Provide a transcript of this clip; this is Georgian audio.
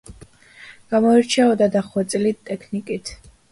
გამოირჩეოდა დახვეწილი ტექნიკით.